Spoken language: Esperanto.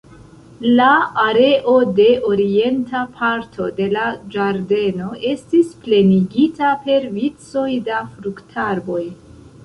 La areo de orienta parto de la ĝardeno estis plenigita per vicoj da fruktarboj.